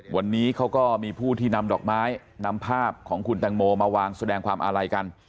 วันนี้เขาก็มีผู้ที่นำดอกไม้นำภาพของคุณแตงโมมาวางแสดงความอาลัยกัน